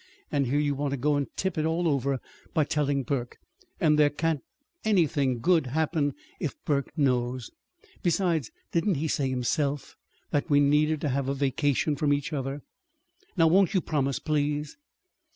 And here you want to go and tip it all over by telling Burke. And there can't anything good happen, if Burke knows. Besides, didn't he say himself that we needed to have a vacation from each other? Now, won't you promise, please?"